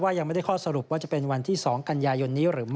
ยังไม่ได้ข้อสรุปว่าจะเป็นวันที่๒กันยายนนี้หรือไม่